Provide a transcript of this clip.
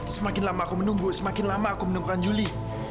semakin lama aku menunggu semakin lama aku menemukan juli